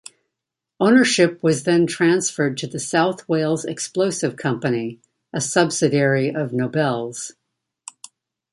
Ownership was then transferred to the South Wales Explosive Company, a subsidiary of Nobel's.